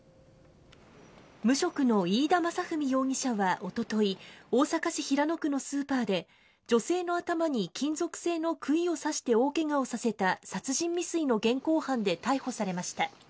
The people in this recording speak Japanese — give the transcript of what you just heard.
無職の飯田雅史容疑者はおととい、大阪市平野区のスーパーで、女性の頭に金属製のくいを刺して大けがをさせた殺人未遂の現行犯で逮捕されました。